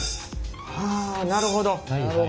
はあなるほど。